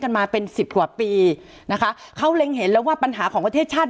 มาเป็นสิบกว่าปีนะคะเขาเล็งเห็นแล้วว่าปัญหาของประเทศชาติ